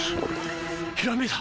ひらめいた！